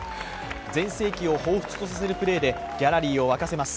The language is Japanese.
全盛期をほうふつとさせるプレーでギャラリーを沸かせます。